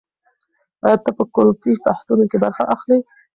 ایا ته په ګروپي بحثونو کې برخه اخلې؟